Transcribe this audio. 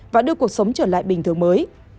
và đưa cuộc sống trở lại bình thường mới